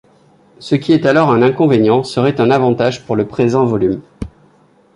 Ce qui est alors un inconvénient, serait un avantage pour le présent volume.